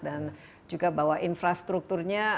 dan juga bahwa infrastrukturnya